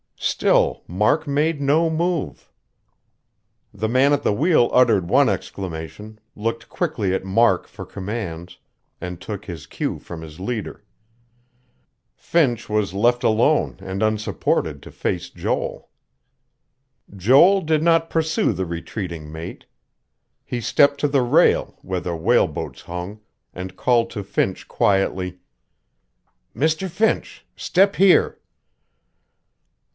Still Mark made no move. The man at the wheel uttered one exclamation, looked quickly at Mark for commands, and took his cue from his leader. Finch was left alone and unsupported to face Joel. Joel did not pursue the retreating mate. He stepped to the rail, where the whaleboats hung, and called to Finch quietly: "Mr. Finch, step here."